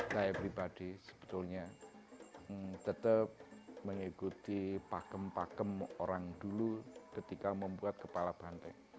saya pribadi sebetulnya tetap mengikuti pakem pakem orang dulu ketika membuat kepala banteng